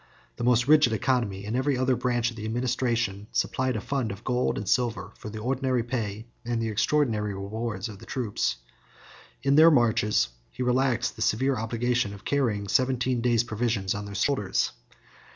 The most rigid economy in every other branch of the administration supplied a fund of gold and silver for the ordinary pay and the extraordinary rewards of the troops. In their marches he relaxed the severe obligation of carrying seventeen days' provision on their shoulders.